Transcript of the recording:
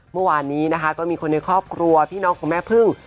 เมื่อวานนี้นะคะก็มีคนในครอบครัวพี่น้องของแม่พึ่ง